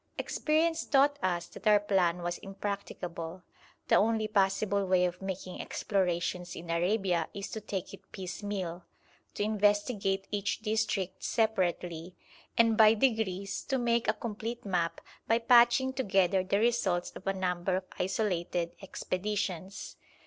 Experience taught us that our plan was impracticable; the only possible way of making explorations in Arabia is to take it piecemeal, to investigate each district separately, and by degrees to make a complete map by patching together the results of a number of isolated expeditions.